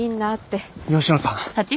吉野さん。